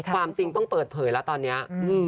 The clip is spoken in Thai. ความจริงต้องเปิดเผยแล้วตอนนี้